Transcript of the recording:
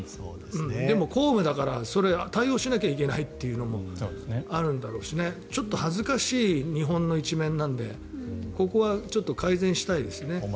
でも、公務だからそれは対応しなければならないというのもあるんでしょうけどもちょっと恥ずかしい日本の一面なのでここは改善したいですね。